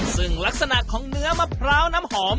ซึ่งลักษณะของเนื้อมะพร้าวน้ำหอม